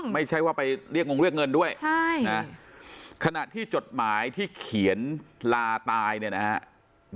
ไม่ใช่ว่าไปเรียกงงเรียกเงินด้วยใช่นะขณะที่จดหมายที่เขียนลาตายเนี่ยนะครับ